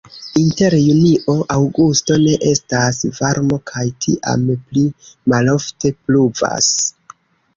Inter junio-aŭgusto ne estas varmo kaj tiam pli malofte pluvas.